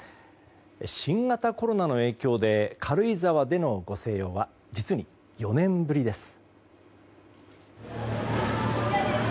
新型コロナの影響で軽井沢でのご静養は実に４年ぶりです。